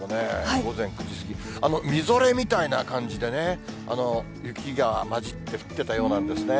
午前９時過ぎ、みぞれみたいな感じでね、雪が交じって降ってたようなんですね。